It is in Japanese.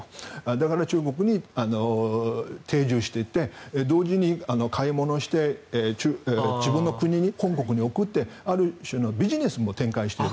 だから中国に定住していて同時に買い物をして自分の国に、本国に送ってある種のビジネスも展開している。